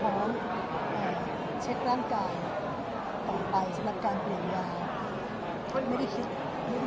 อาจจะเนื่องจากว่าอย่างที่เราเขาเราเคลเซียมสูง